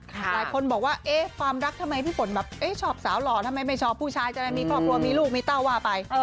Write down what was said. หลายคนบอกว่าความรักทำไมพี่ฝนแบบชอบสาวหล่อทำไมไม่ชอบผู้ชายจะได้มีครอบครัวมีลูกมีเต้าว่าไป